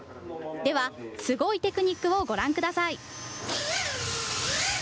では、すごいテクニックをご覧ください。